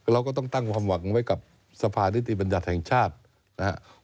เราก็ต้องตั้งความหวังไว้กับสภานิติบัญญัติแห่งชาตินะครับ